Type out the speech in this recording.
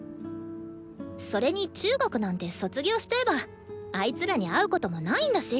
それに中学なんて卒業しちゃえばあいつらに会うこともないんだし。